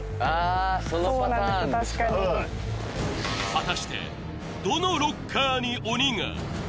確かに果たしてどのロッカーに鬼が？